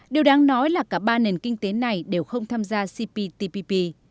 điều đáng nói là cả ba nền kinh tế này đều không tham gia cptpp